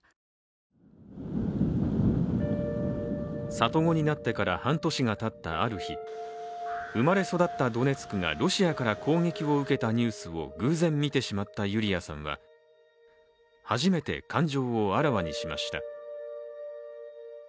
里子になってから半年がたったある日、生まれ育ったドネツクがロシアから攻撃を受けたニュースを偶然見てしまったユリアさんは、初めて感情をあらわにしました。